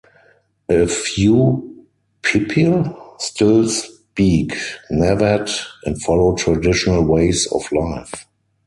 A few Pipil still speak Nawat and follow traditional ways of life.